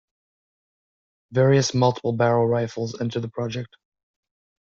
Various multiple barrel rifles entered the project.